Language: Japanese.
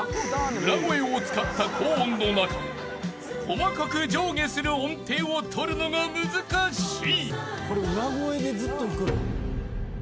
［裏声を使った高音の中細かく上下する音程を取るのが難しい］